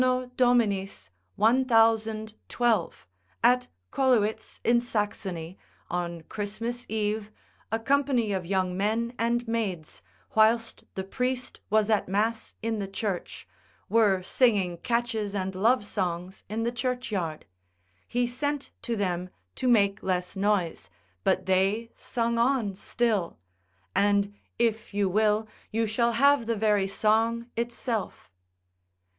Dom._ 1012. at Colewiz in Saxony, on Christmas eve a company of young men and maids, whilst the priest was at mass in the church, were singing catches and love songs in the churchyard, he sent to them to make less noise, but they sung on still: and if you will, you shall have the very song itself.